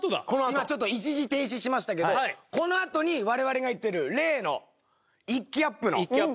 今ちょっと一時停止しましたけどこのあとに我々が言ってる例の。